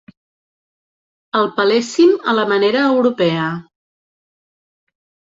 El peléssim a la manera europea.